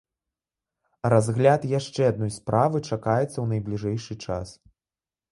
Разгляд яшчэ адной справы чакаецца ў найбліжэйшы час.